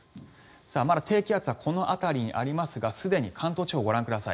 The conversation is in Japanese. まだ低気圧はこの辺りにありますがすでに関東地方、ご覧ください。